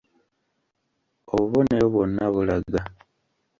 Obubonero bwonna bulaga